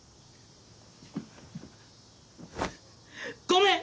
ごめん！